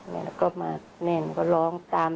แล้วก็มาแนนก็ร้องตาม